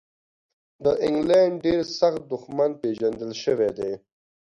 د انګلینډ ډېر سخت دښمن پېژندل شوی دی.